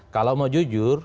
kalau mau jujur